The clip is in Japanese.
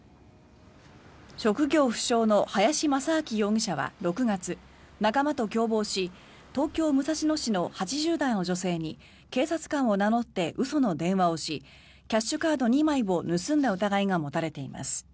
職業不詳の林真明容疑者は６月仲間と共謀し東京・武蔵野市の８０代の女性に警察官を名乗って嘘の電話をしキャッシュカード２枚を盗んだ疑いが持たれています。